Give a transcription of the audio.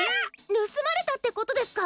ぬすまれたってことですか？